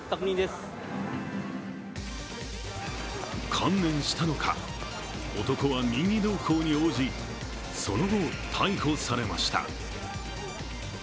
観念したのか、男は任意同行に応じその後、逮捕されました。